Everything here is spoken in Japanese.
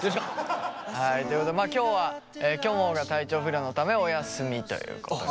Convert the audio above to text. はいということで今日はきょもが体調不良のためお休みということで。